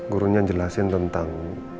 gurunya jelasin tentang